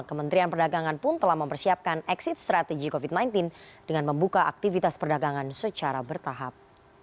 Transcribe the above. kementerian perdagangan pun telah mempersiapkan exit strategy covid sembilan belas dengan membuka aktivitas perdagangan secara bertahap